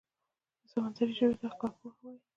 د سمندري ژویو دغه کارپوهه وايي